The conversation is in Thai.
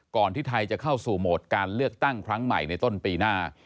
ที่ไทยจะเข้าสู่โหมดการเลือกตั้งครั้งใหม่ในต้นปีหน้า